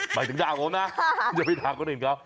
หมายถึงด่าผมนะอย่าไปด่าคนอื่นเขา